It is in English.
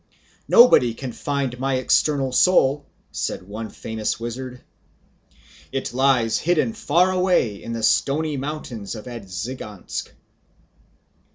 "Nobody can find my external soul," said one famous wizard, "it lies hidden far away in the stony mountains of Edzhigansk."